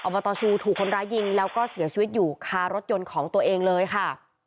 บตชูถูกคนร้ายยิงแล้วก็เสียชีวิตอยู่คารถยนต์ของตัวเองเลยค่ะ